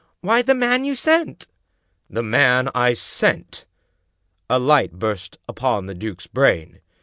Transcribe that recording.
Why, the man you sent." " The man I sent! " A light burst upon the duke's brain.